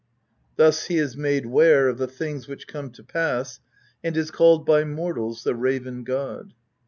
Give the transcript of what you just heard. Thus he is made ware of the things which come to pass, and is called by mortals the Raven god.